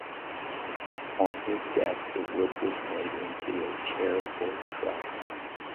On his death the wood was made into a charitable trust.